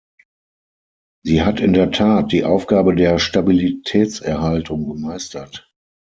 Sie hat in der Tat die Aufgabe der Stabilitätserhaltung gemeistert.